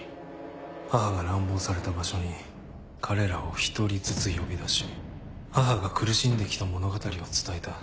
母が乱暴された場所に彼らを一人ずつ呼び出し母が苦しんで来た物語を伝えた。